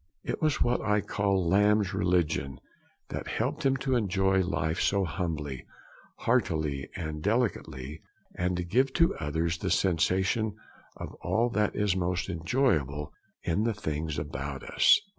It was what I call Lamb's religion that helped him to enjoy life so humbly, heartily, and delicately, and to give to others the sensation of all that is most enjoyable in the things about us.